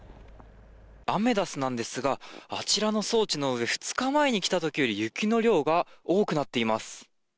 アメダスなんですがあちらの装置の上２日前に来た時より雪の量が多くなっています。